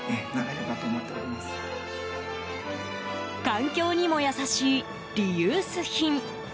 環境にも優しいリユース品。